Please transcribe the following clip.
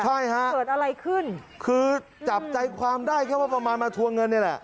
ใช่ฮะเกิดอะไรขึ้นคือจับใจความได้แค่ว่าประมาณมาทวงเงินนี่แหละ